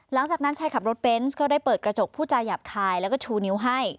หลังจากนั้นชายขับรถเบนส์ก็ได้เปิดกระจกผู้จาหยาบคายแล้วก็ชูนิ้วให้